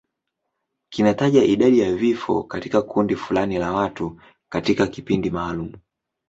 Kinataja idadi ya vifo katika kundi fulani la watu katika kipindi maalum.